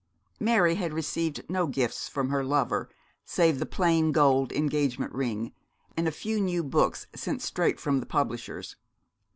Mary had received no gifts from her lover, save the plain gold engagement ring, and a few new books sent straight from the publishers.